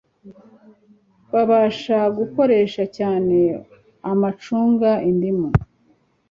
Babasha gukoresha cyane amacunga, indimu,